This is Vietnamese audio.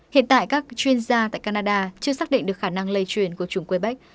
hiện tại các chuyên gia tại canada chưa xác định được khả năng lây truyền của chủng quebec